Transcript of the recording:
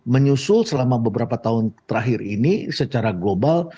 menyusul selama beberapa tahun terakhir ini secara global